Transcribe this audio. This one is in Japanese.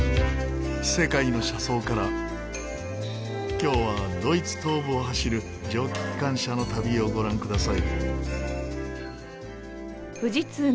今日はドイツ東部を走る蒸気機関車の旅をご覧ください。